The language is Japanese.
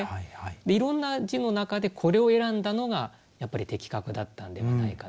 いろんな字の中でこれを選んだのがやっぱり的確だったんではないかと。